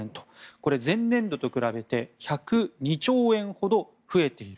これ前年度と比べて１０２兆円ほど増えている。